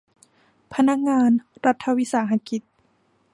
พนักงานรัฐวิสาหกิจ